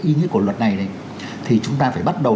ý nghĩa của luật này thì chúng ta phải bắt đầu